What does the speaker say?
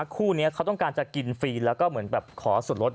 คู่นี้เขาต้องการจะกินฟรีแล้วก็เหมือนแบบขอส่วนลด